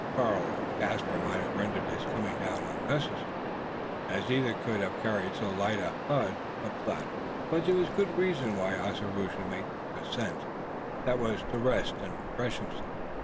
Karl or Caspar might have rendered his coming down unnecessary, as either could have carried so light a "hod" up the ladder; but there was good reason why Ossaroo should make the descent that was, to rest and refresh himself.